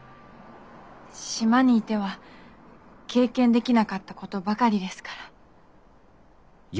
島にいては経験できなかったことばかりですから。